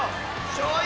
しょうゆ！